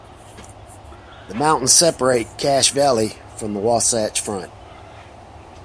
The mountains separate Cache Valley from the Wasatch Front.